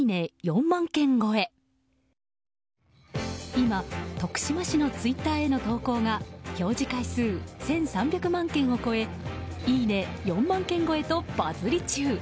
今、徳島市のツイッターへの投稿が表示回数１３００万件を超えいいね４万件超えとバズり中。